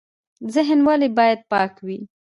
ذهن ولې باید پاک وي؟